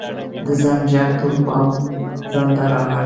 د زنګ ږغ ټول پام ځانته را اړوي.